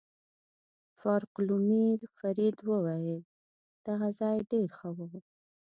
فاروقلومیو فرید وویل: دغه ځای ډېر ښه و.